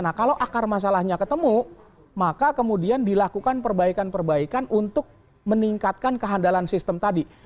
nah kalau akar masalahnya ketemu maka kemudian dilakukan perbaikan perbaikan untuk meningkatkan kehandalan sistem tadi